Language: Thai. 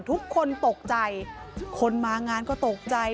ทุกคนตกใจคนมางานก็ตกใจ